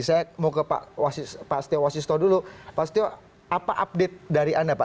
saya mau ke pak setio wasisto dulu pak setio apa update dari anda pak